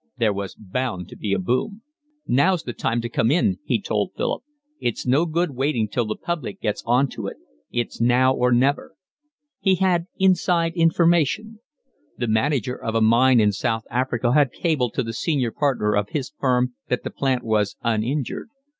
There was bound to be a boom. "Now's the time to come in," he told Philip. "It's no good waiting till the public gets on to it. It's now or never." He had inside information. The manager of a mine in South Africa had cabled to the senior partner of his firm that the plant was uninjured.